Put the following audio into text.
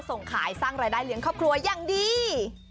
ส่งขายสร้างรายได้เลี้ยงครอบครัวอย่างดี